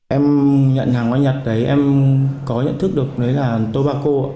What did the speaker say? em nhận hàng hóa nhật đấy em có nhận thức được đấy là tobacco